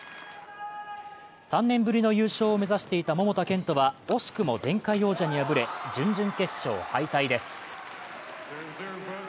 ３年ぶりの優勝を目指していた桃田賢斗は惜しくも前回王者に敗れ、準々決勝敗退です。